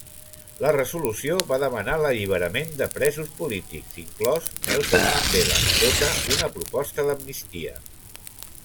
La resolució va demanar l'alliberament de presos polítics, inclòs Nelson Mandela, sota una proposta d'amnistia.